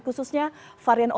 khususnya varian omicron